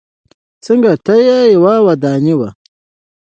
څنګ ته یې یوه ودانۍ وه.